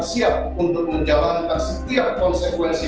siap untuk menjalankan setiap konsekuensi